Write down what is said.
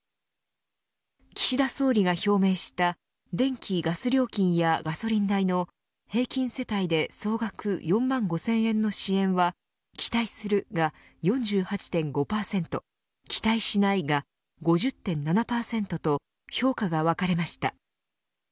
岸田総理が表明した電気・ガス料金やガソリン代の平均世帯で総額４万５千円の支援は期待する、が４８．５％期待しない、が５０．７％と評価が分かれました。